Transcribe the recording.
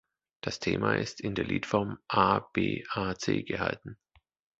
Das Thema ist in der Liedform A-B-A-C gehalten.